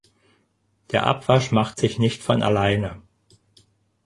Der Abwasch macht sich nicht von alleine